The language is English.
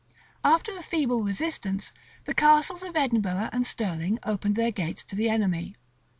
After a feeble resistance, the Castles of Edinburgh and Stirling opened their gates to the enemy.